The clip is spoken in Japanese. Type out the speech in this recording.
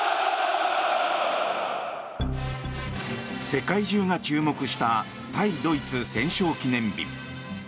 世界中が注目した対ドイツ戦勝記念日。